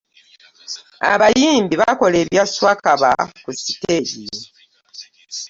Abayimbi bakola ebyaswakaba ku siteegi.